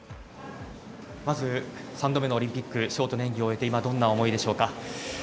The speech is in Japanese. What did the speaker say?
まず、３度目のオリンピックショートの演技を終えて今、どんな思いでしょうか？